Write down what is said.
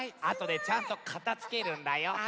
あとでちゃんとかたづけるんだよ。